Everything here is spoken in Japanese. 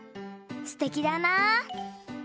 すてきだな。